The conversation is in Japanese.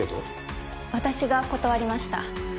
私が断りました。